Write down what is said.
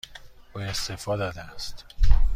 او استعفا داده است.